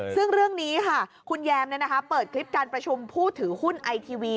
ซึ่งเรื่องนี้ค่ะคุณแยมเปิดคลิปการประชุมผู้ถือหุ้นไอทีวี